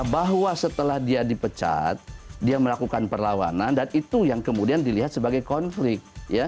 bahwa setelah dia dipecat dia melakukan perlawanan dan itu yang kemudian dilihat sebagai konflik